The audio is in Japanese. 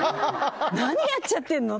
何やっちゃってるの？